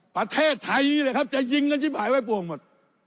ประเทศไทยนี้เลยครับจะยิงกันชิบหายไว้ปวงหมด